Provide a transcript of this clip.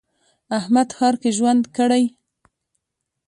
احمد ښار کې ژوند کړی.